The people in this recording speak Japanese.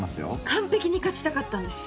完璧に勝ちたかったんです。